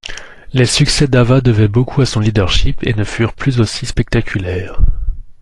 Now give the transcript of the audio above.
Les succès d'Ava devaient beaucoup à son leadership et ne furent plus aussi spectaculaires.